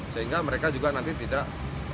sehingga mereka juga nanti tidak